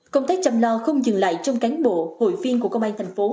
công tác chăm lo không dừng lại trong cán bộ hội viên của công an tp hcm